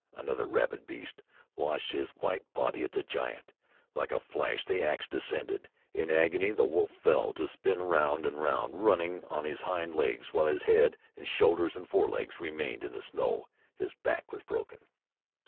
Another rabid beast launched his white body at the giant. Like a flash the ax descended. In agony the wolf fell, to spin round and round, running on his hind legs, while his head and shoulders and forelegs remained in the snow. His back was broken.